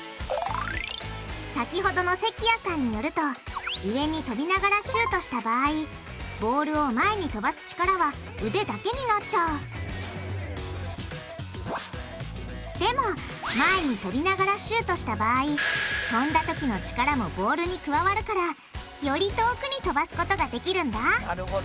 先ほどの関谷さんによると上にとびながらシュートした場合ボールを前にとばす力は腕だけになっちゃうでも前にとびながらシュートした場合とんだときの力もボールに加わるからより遠くにとばすことができるんだなるほど。